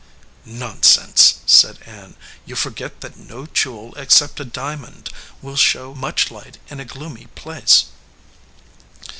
"Nonsense," said Ann. "You forget that no jewel except a diamond will show much light in a gloomy place."